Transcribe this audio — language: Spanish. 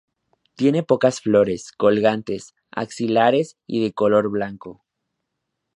Tiene pocas flores, colgantes, axilares y de color blanco.